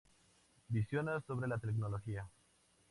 Visiones sobre la tecnología".